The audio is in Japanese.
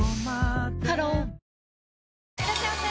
ハローいらっしゃいませ！